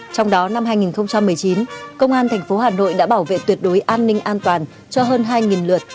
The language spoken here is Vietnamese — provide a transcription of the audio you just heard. trong đó năm hai nghìn một mươi chín công an thành phố hà nội đã bảo vệ tuyệt đối an ninh an toàn cho hơn hai lượt